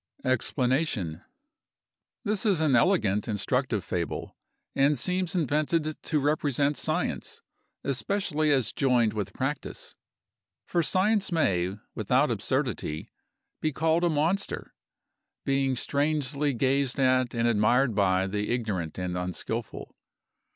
EXPLANATION.—This is an elegant, instructive fable, and seems invented to represent science, especially as joined with practice. For science may, without absurdity, be called a monster, being strangely gazed at and admired by the ignorant and unskilful.